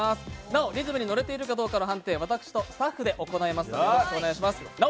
なお、リズムに乗れているかの判定は私とスタッフで行いますのでお願いいたします。